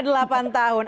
sudah delapan tahun